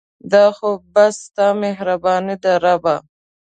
دا خو بس ستا مهرباني ده ربه